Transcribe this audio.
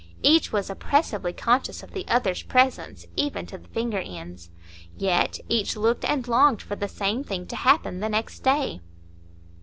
Each was oppressively conscious of the other's presence, even to the finger ends. Yet each looked and longed for the same thing to happen the next day.